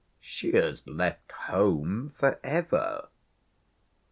She has left home for ever."